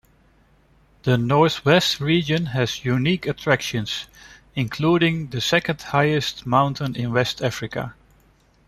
The Northwest region has unique attractions, including the second highest mountain in West Africa.